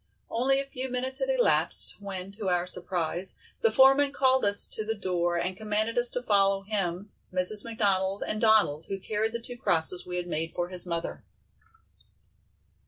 Only a few minutes had elapsed, when to our surprise, the foreman called us to the door and commanded us to follow him, Mrs. McDonald and Donald, who carried the two crosses we had made for his mother.